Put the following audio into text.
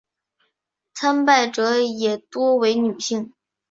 参拜者也多为女性。